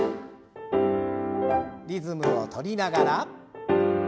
リズムを取りながら。